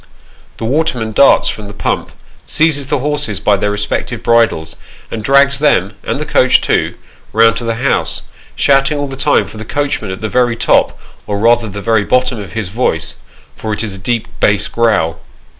The waterman darts from the pump, seizes the horses by their respective bridles, and drags them, and the coach too, round to the house, shouting all the time for the coachman at the very top, or rather very bottom of his voice, for it is a deep bass growl.